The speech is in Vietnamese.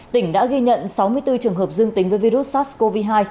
tỉnh đã ghi nhận sáu mươi bốn trường hợp dương tính với virus sars cov hai